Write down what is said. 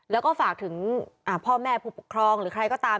แล้วก็ฝากถึงพ่อแม่ผู้ปกครองหรือใครก็ตาม